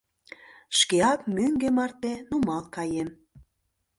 Шкеак мӧҥгӧ марте нумал каем.